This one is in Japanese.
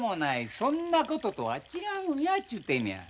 そんなこととは違うんやちゅうてんねや。